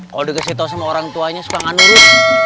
kalau dikasih tau sama orang tuanya suka nggak nurut